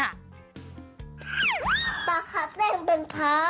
ป๊าครับฉันเป็นพระ